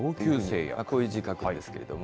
こういう字書くんですけれども。